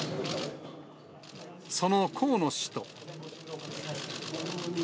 その河野氏と。